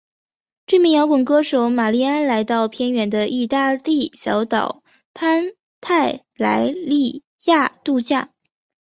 知名摇滚歌手玛莉安来到偏远的义大利小岛潘泰莱里亚度假。